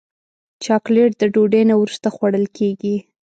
چاکلېټ د ډوډۍ نه وروسته خوړل کېږي.